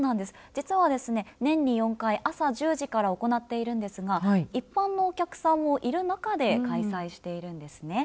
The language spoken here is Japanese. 実は年に４回朝１０時から行っているんですが一般のお客さんもいる中で開催しているんですね。